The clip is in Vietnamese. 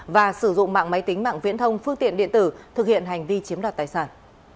và sử dụng mạng máy tính mạng viễn thông phương tiện điện tử thực hiện hành vi chiếm đoạt tài sản